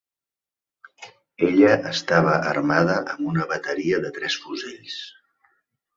Ella estava armada amb una bateria de tres fusells.